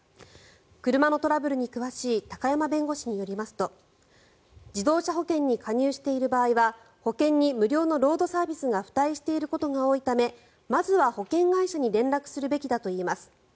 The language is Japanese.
車のトラブルに詳しい高山弁護士によりますと自動車保険に加入している場合は保険に無料のロードサービスが付帯していることが多いためまずは保険会社に連絡するべきだといいます。